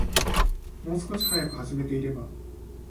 もう少し早く始めていれば